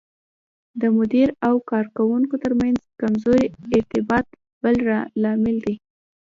د مدیر او کارکوونکو ترمنځ کمزوری ارتباط بل لامل دی.